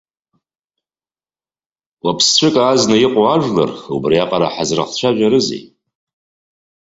Уаԥсҵәык азна иҟоу ажәлар, убриаҟара ҳазрыхцәажәарызеи?